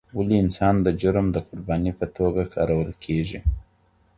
ولي انسان د جرم د قرباني په توګه کارول کيږي؟